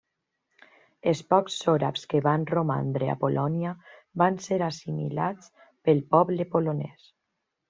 Els pocs sòrabs que van romandre a Polònia van ser assimilats pel poble polonès.